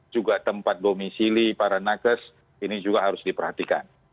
juga tempat domisili para nakes ini juga harus diperhatikan